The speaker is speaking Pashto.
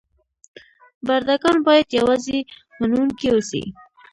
برده ګان باید یوازې منونکي اوسي.